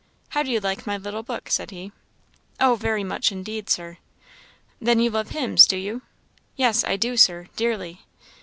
"How do you like my little book?" said he. "Oh, very much indeed, Sir." "Then you love hymns, do you?" "Yes, I do Sir, dearly."